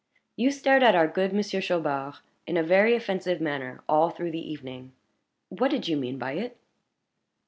You stared at our good Monsieur Chaubard in a very offensive manner all through the evening. What did you mean by it?"